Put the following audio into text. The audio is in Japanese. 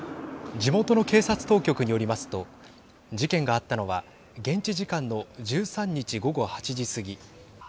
地元の警察当局によりますと事件があったのは現地時間の１３日午後８時過ぎ。